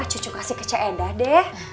cucu kasih ke ce edah deh